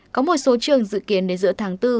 có một số trường dự kiến đến giữa tháng bốn